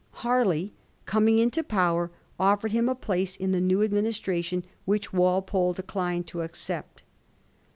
Harley coming into power offered him a place in the new administration, which Walpole declined to accept.